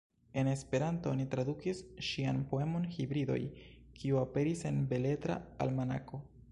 En Esperanto oni tradukis ŝian poemon "Hibridoj", kiu aperis en Beletra Almanako.